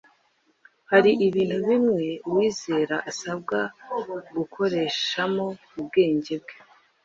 Hari ibintu bimwe uwizera asabwa gukoreshamo ubwenge bwe,